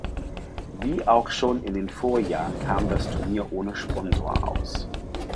Wie auch schon in den Vorjahren kam das Turnier ohne Sponsor aus.